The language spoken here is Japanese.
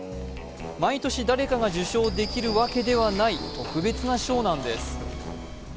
毎年誰かが受賞できるわけではない、特別な賞なんです。